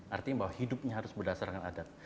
artinya bahwa hidupnya harus berdasarkan adat